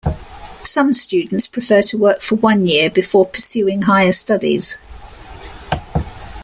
Some students prefer to work for one year before pursuing higher studies.